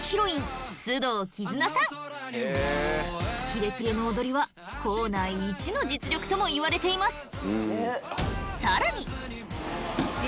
キレキレの踊りは校内一の実力ともいわれています。